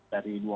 dari dua bulan